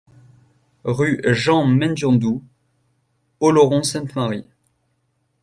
Rue Jean Mendiondou, Oloron-Sainte-Marie